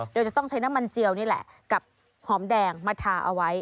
โดยจะต้องใช้น้ำมันเจียวนี่แหละกับหอมแดงมาทาเอาไว้